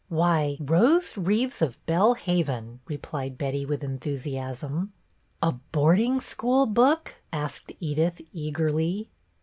" Why, ' Rose Reeves of Belle Haven,' " replied Betty, with enthusiasm. " A boarding school book .''" asked Edith, eagerly.